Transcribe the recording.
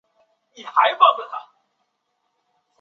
十几年来的研究成果